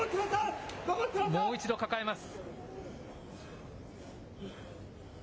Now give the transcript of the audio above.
もう一度抱えます。